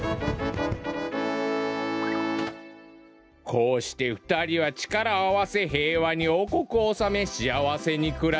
「こうしてふたりはちからをあわせへいわにおうこくをおさめしあわせにくらし」。